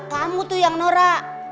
kamu tuh yang nora